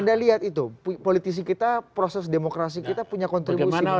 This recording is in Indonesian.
anda lihat itu politisi kita proses demokrasi kita punya kontribusi